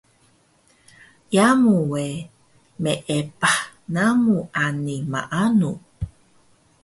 Yamu we meepah namu ani maanu